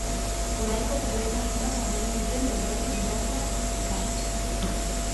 Oraiko trebetasunak ageri dute norbaitek gidatuak, ikasiak.